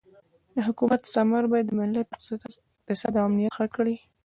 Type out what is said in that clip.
د حکومت ثمر باید د ملت اقتصاد او امنیت ښه کړي.